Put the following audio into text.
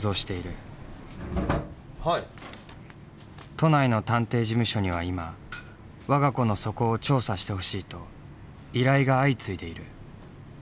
都内の探偵事務所には今わが子の素行を調査してほしいと依頼が相次いでいる。